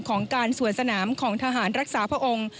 ของการสวนสนามของทหารรักษาพระองค์